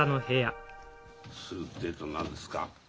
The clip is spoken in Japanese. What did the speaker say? ・するってえと何ですか。